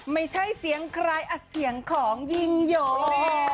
ไม่ใช่เสียงใครอ่ะเสียงของยิ่งยง